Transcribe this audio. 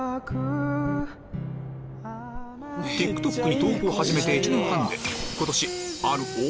ＴｉｋＴｏｋ に投稿を始めて１年半でそれが！